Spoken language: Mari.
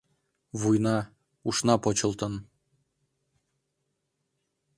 Вуйна, ушна почылтын.